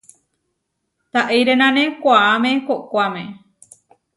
Taʼirénane koʼáme koʼkoáme.